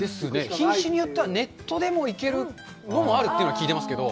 品種によってはネットでもいけるのもあると聞いてますけど。